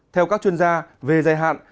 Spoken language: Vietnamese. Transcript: theo các chuyên gia về dài hạn